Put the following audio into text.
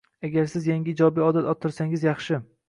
Agar siz yangi ijobiy odat orttirsangiz yaxshi.